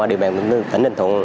ở địa bàn tỉnh ninh thuận